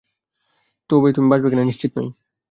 তবে তুমি বাচবে কিনা তা নিশ্চিত নই।